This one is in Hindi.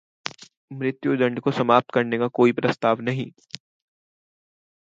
मृत्यु दंड को समाप्त करने का कोई प्रस्ताव नहीं